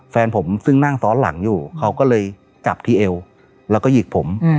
แฟนผมซึ่งนั่งซ้อนหลังอยู่เขาก็เลยจับที่เอวแล้วก็หยิกผม